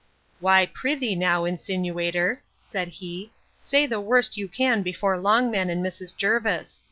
Why, pr'ythee now, insinuator, said he, say the worst you can before Longman and Mrs. Jervis.